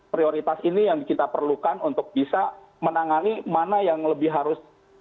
prioritas ini yang kita perlukan untuk bisa menangani mana yang lebih harus